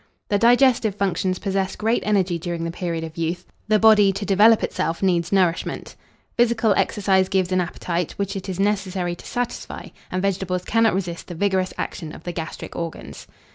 The digestive functions possess great energy during the period of youth: the body, to develop itself, needs nourishment. Physical exercise gives an appetite, which it is necessary to satisfy, and vegetables cannot resist the vigorous action of the gastric organs.